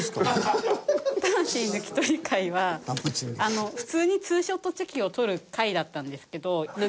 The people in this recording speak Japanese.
魂抜き取り会は普通にツーショットチェキを撮る会だったんですけど。